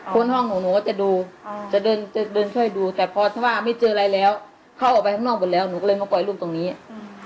คนห้องหนูหนูก็จะดูอ่าจะเดินจะเดินช่วยดูแต่พอถ้าว่าไม่เจออะไรแล้วเขาออกไปข้างนอกหมดแล้วหนูก็เลยมาปล่อยรูปตรงนี้อืม